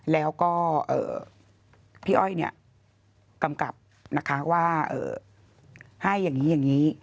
แล้วก็พี่อ้อยกำกับว่าให้อย่างนี้